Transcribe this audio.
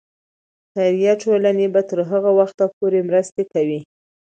خیریه ټولنې به تر هغه وخته پورې مرستې کوي.